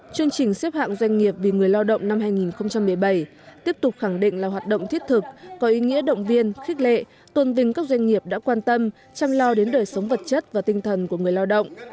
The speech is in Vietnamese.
chương trình xếp hạng doanh nghiệp vì người lao động năm hai nghìn một mươi bảy tiếp tục khẳng định là hoạt động thiết thực có ý nghĩa động viên khích lệ tôn vinh các doanh nghiệp đã quan tâm chăm lo đến đời sống vật chất và tinh thần của người lao động